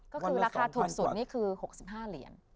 ก็คือราคาถูกสุดนี่คือ๖๕เหรียญ